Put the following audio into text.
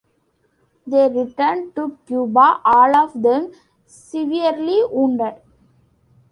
They returned to Cuba, all of them severely wounded.